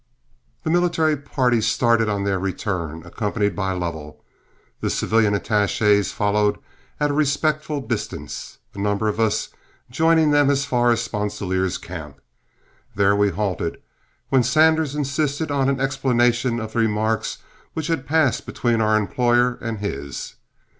The military party started on their return, accompanied by Lovell. The civilian attaches followed at a respectful distance, a number of us joining them as far as Sponsilier's camp. There we halted, when Sanders insisted on an explanation of the remarks which had passed between our employer and his.